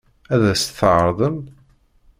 Ad as-t-tɛeṛḍem?